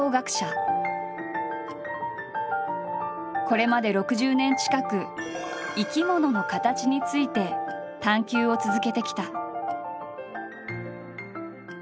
これまで６０年近く「生き物の形」について探究を続けてきた。